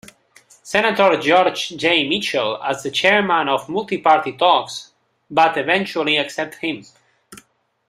Senator George J. Mitchell as the chairman of multi-party talks, but eventually accepted him.